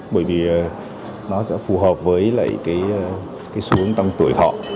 bởi vì nó sẽ phù hợp với lại cái xuống tăng tuổi thọ